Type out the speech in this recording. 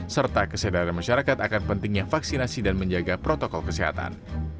serta kesadaran masyarakat akan pentingnya vaksinasi dan menjaga protokol kesehatan